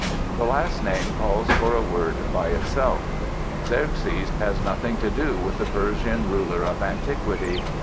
The last named calls for a word by itself. "Xerxes" has nothing to do with the Persian ruler of antiquity.